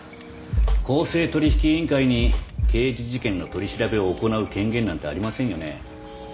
公正取引委員会に刑事事件の取り調べを行う権限なんてありませんよね。